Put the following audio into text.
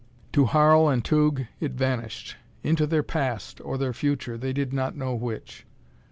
To Harl and Tugh, it vanished. Into their Past, or their Future: they did not know which.